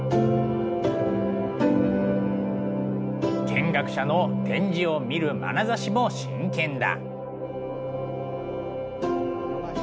見学者の展示を見るまなざしも真剣だ。